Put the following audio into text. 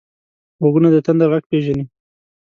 غوږونه د تندر غږ پېژني